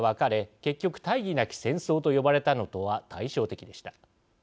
結局、大義なき戦争と呼ばれたのとは対照的でした。